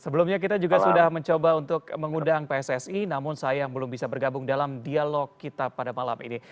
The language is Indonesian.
sebelumnya kita juga sudah mencoba untuk mengundang pssi namun sayang belum bisa bergabung dalam dialog kita pada malam ini